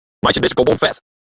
Meitsje dizze kolom fet.